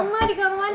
mama di kamar mandi